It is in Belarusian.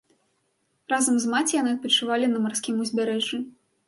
Разам з маці яны адпачывалі на марскім узбярэжжы.